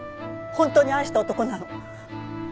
本当に愛した男なの。